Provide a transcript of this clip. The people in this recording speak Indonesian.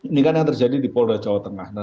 ini kan yang terjadi di polda jawa tengah